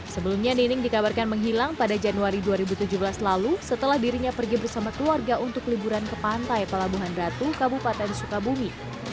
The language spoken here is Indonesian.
sebelumnya nining dikabarkan menghilang pada januari dua ribu tujuh belas lalu setelah dirinya pergi bersama keluarga untuk liburan ke pantai pelabuhan ratu kabupaten sukabumi